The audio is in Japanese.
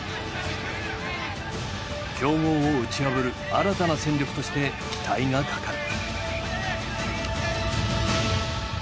強豪を打ち破る新たな戦力として期待がかかる。